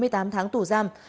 bốn mươi tám tháng tù giam